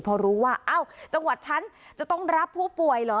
พอรู้ว่าอ้าวจังหวัดฉันจะต้องรับผู้ป่วยเหรอ